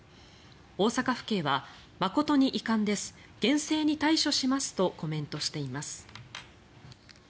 大阪府警は、誠に遺憾です厳正に対処しますとコメントしています。